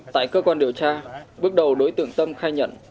tại cơ quan điều tra bước đầu đối tượng tâm khai nhận